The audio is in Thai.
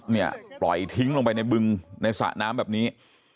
เนี่ยปล่อยทิ้งลงไปในบึงในสระน้ำแบบนี้